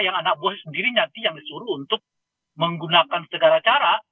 yang anak buah sendiri nanti yang disuruh untuk menggunakan segala cara